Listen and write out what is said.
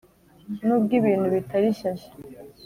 N'ubwo ibintu bitari shyashya